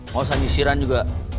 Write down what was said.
gak usah sisiran juga